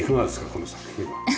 この作品は。